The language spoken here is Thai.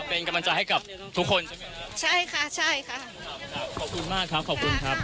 เป็นกำลังใจให้กับทุกคนใช่ไหมครับใช่ค่ะใช่ค่ะครับขอบคุณมากครับขอบคุณครับ